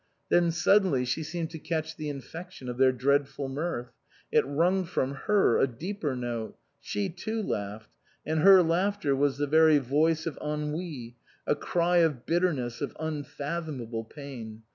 Then suddenly she seemed to catch the infection of their dreadful mirth. It wrung from her a deeper note. She too laughed, and her laughter was the very voice of Ennui, a cry of bitterness, of unfathomable pain.